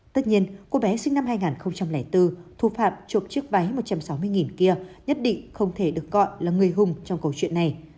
tất nhiên cô bé sinh năm hai nghìn bốn thủ phạm trộm chiếc váy một trăm sáu mươi kia nhất định không thể được gọi là người hùng trong câu chuyện này